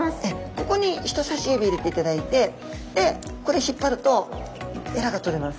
ここに人さし指入れていただいてでこれ引っ張るとえらがとれます。